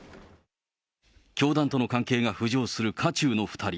教団との関係が浮上する渦中の２人。